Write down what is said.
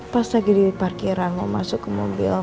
pas lagi di parkiran mau masuk ke mobil